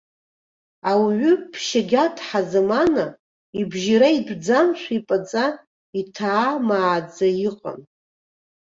Ауаҩы ԥшьагьаҭҳа замана, ибжьы иара итәӡамшәа, ипаӡа, иҭаа-мааӡа иҟан.